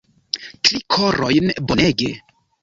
Tri korojn, bonege